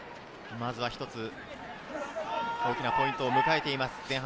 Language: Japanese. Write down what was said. まずは一つ大きなポイントを迎えています。